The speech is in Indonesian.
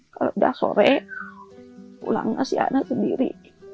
kalau sudah sore pulangnya si anak sendiri